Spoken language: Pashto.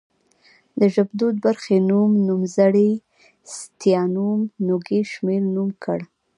د ژبدود برخې نوم، نومځری ستيانوم ، نوږی شمېرنوم کړ